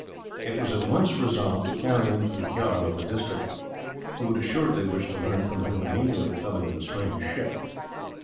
It was at once resolved to carry him to the jarl of the district, who would assuredly wish to learn from him the meaning of the coming of the strange ship.